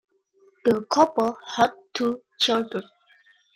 The couple had two children.